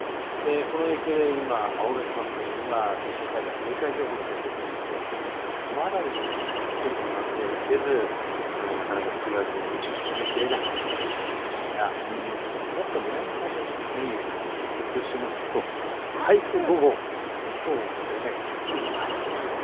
この影響で今、青ヶ島村には土砂災害警戒情報が出ているという状況でまだ天気も安定せず、なかなか梅雨明けに踏み切れないという状況なんですが、もっと南の海上に目を移しますと台風５号、きょう午前９時に発生しました。